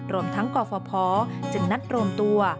รวมทั้งกรฟพจึงนัดรวมตัว